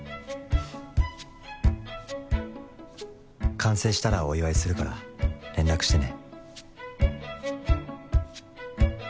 「完成したらお祝いするから連絡してね！」